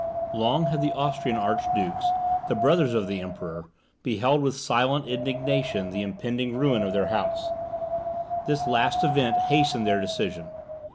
Long had the Austrian archdukes, the brothers of the Emperor, beheld with silent indignation the impending ruin of their house; this last event hastened their decision.